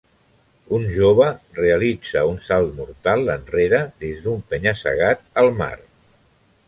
Un jove realitza salt mortal enrere des d'un penya-segat al mar.